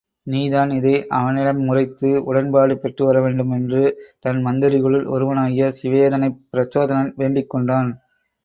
நீதான் இதை அவனிடமுரைத்து உடன்பாடு பெற்று வரவேண்டும் என்று தன் மந்திரிகளுள் ஒருவனாகிய சிவேதனைப் பிரச்சோதனன் வேண்டிக் கொண்டான்.